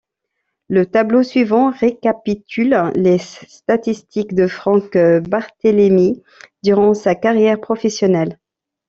Le tableau suivant récapitule les statistiques de Franck Barthélémy durant sa carrière professionnelle.